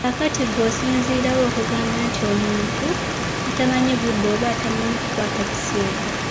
Kaakati ggwe osinziira wa okugamba nti omuntu atamanyi budde oba atamanyi kukwata biseera.